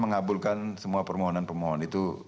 mengabulkan semua permohonan permohonan itu